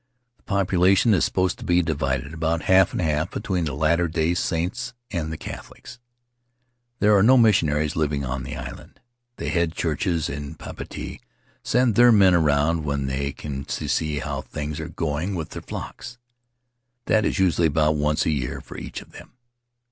The population is supposed to be divided about half and half between the Latter Day Saints and the Catholics. There are no mission aries living on the island. The head churches in Papeete send their men around when they can to see how things are going with their flocks. That is usually about once a year for each of them.